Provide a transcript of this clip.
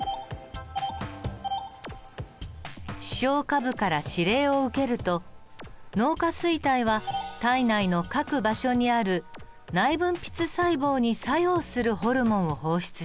視床下部から指令を受けると脳下垂体は体内の各場所にある内分泌細胞に作用するホルモンを放出します。